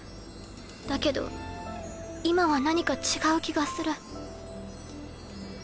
だけど今は何か違う気がする。